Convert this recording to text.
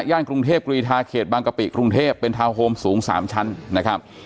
กรุงเทพกรีธาเขตบางกะปิกรุงเทพเป็นทาวน์โฮมสูง๓ชั้นนะครับ